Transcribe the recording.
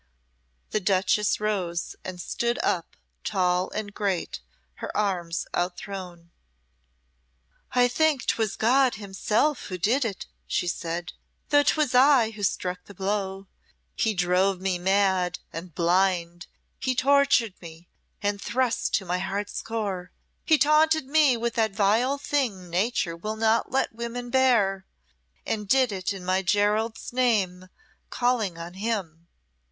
The duchess rose, and stood up tall and great, her arms out thrown. "I think 'twas God Himself who did it," she said, "though 'twas I who struck the blow. He drove me mad and blind, he tortured me, and thrust to my heart's core. He taunted me with that vile thing Nature will not let women bear, and did it in my Gerald's name, calling on him.